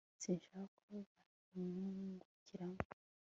sinshaka ko banyungukiramo